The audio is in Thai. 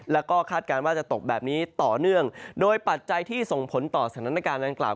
แล้วก็คาดการณ์ว่าจะตกแบบนี้ต่อเนื่องโดยปัจจัยที่ส่งผลต่อสถานการณ์ดังกล่าว